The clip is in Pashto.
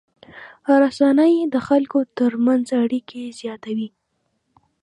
رسنۍ د خلکو تر منځ اړیکې زیاتوي.